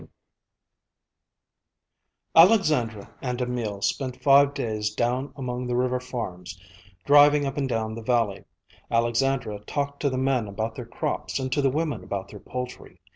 V Alexandra and Emil spent five days down among the river farms, driving up and down the valley. Alexandra talked to the men about their crops and to the women about their poultry.